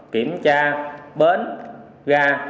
kiểm tra bến ga